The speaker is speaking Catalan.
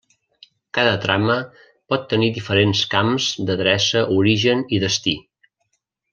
Cada trama pot tenir diferents camps d'adreça origen i destí.